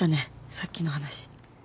さっきの話。